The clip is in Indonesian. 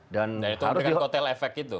dan itu adalah hotel efek itu